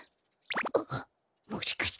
あっもしかしてこれは。